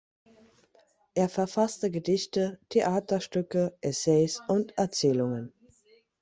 Er verfasste Gedichte, Theaterstücke, Essays und Erzählungen.